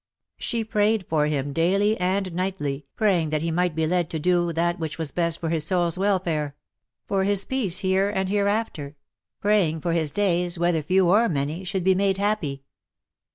She prayed for him daily and nightly, praying that he might be led to do that which was best for his souFs welfare — for his peace here and hereafter — praying that VOL. II. D 84 *^ GRIEF A FIXED STAR, his days, whether few or many, should be made happy.